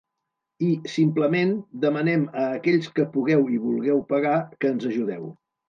I, simplement, demanem a aquells que pugueu i vulgueu pagar que ens ajudeu.